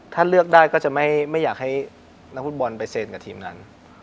ถ้าเลือกได้ก็จะไม่อยากให้นักฟุตบอลไปเซ็นกับทีมนั้น